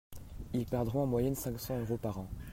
Ils perdront en moyenne cinq cents euros par an.